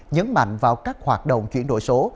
nhấn mạnh vào các hoạt động chuyển đổi số